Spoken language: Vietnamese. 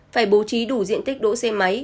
phải bố trí đủ diện tích đỗ xe máy